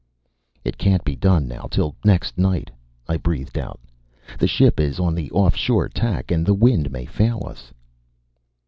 "It can't be done now till next night," I breathed out. "The ship is on the off shore tack and the wind may fail us."